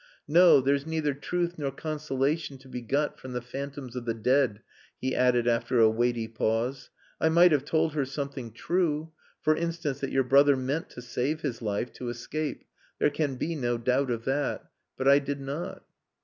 "No! There's neither truth nor consolation to be got from the phantoms of the dead," he added after a weighty pause. "I might have told her something true; for instance, that your brother meant to save his life to escape. There can be no doubt of that. But I did not."